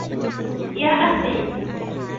يَا أَخِي